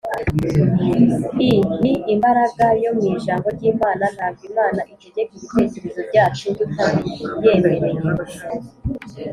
i ni imbaraga yo mu ijambo ry’imana ntabwo imana itegeka ibitekerezo byacu tutabiyemereye,